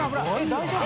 大丈夫？